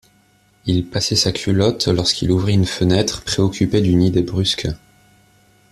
Il passait sa culotte, lorsqu’il ouvrit une fenêtre, préoccupé d’une idée brusque.